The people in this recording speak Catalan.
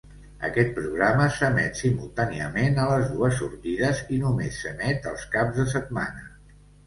Aquest programa s'emet simultàniament a les dues sortides i només s'emet els caps de setmana.